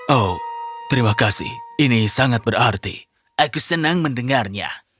oh terima kasih ini sangat berarti aku senang mendengarnya